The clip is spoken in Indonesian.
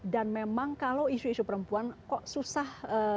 dan memang kalau isu isu perempuan kok susah